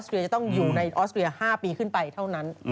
เรียจะต้องอยู่ในออสเตรีย๕ปีขึ้นไปเท่านั้น